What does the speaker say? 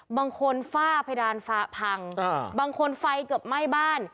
ฝ้าเพดานฟ้าพังบางคนไฟเกือบไหม้บ้าน